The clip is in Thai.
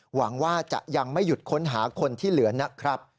หวังว่าจะยังไม่หยุดค้นหาคนที่เหลือนะครับ